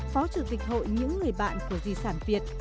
phó chủ tịch hội những người bạn của di sản việt